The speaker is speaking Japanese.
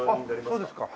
あっそうですか。